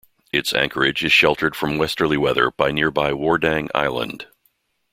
Its anchorage is sheltered from westerly weather by nearby Wardang Island.